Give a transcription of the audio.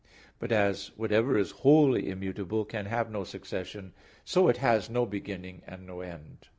But as whatever is wholly immutable can have no succession, so it has no beginning, and no end.